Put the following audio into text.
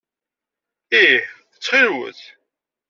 Ih ttxil-wet.